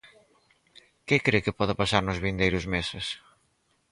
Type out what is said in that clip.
Que cre que pode pasar nos vindeiros meses?